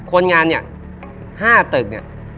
คนงานเนี่ย๕ตึกเนี่ย